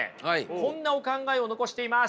こんなお考えを残しています。